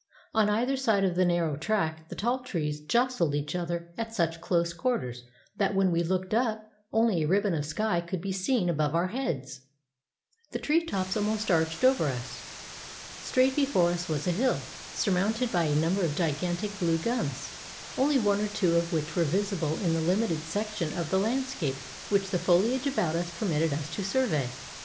On either side of the narrow track the tall trees jostled each other at such close quarters that, when we looked up, only a ribbon of sky could be seen above our heads. The tree tops almost arched over us. Straight before us was a hill surmounted by a number of gigantic blue gums, only one or two of which were visible in the limited section of the landscape which the foliage about us permitted us to survey.